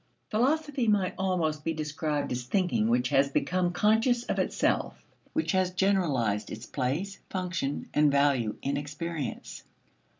Philosophy might almost be described as thinking which has become conscious of itself which has generalized its place, function, and value in experience.